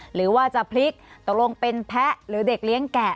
หรือว่าจะพลิกตกลงเป็นแพะหรือเด็กเลี้ยงแกะ